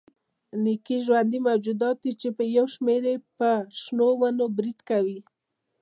نکي ژوندي موجودات دي چې یو شمېر یې پر شنو ونو برید کوي.